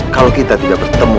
kalau kita tidak bertemu